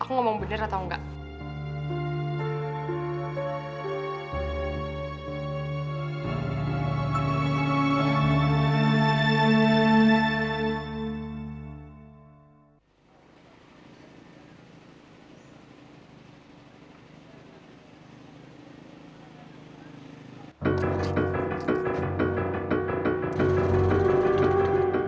aku ngomong bener atau enggak